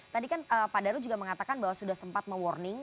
tadi kan pak daru juga mengatakan bahwa sudah sempat me warning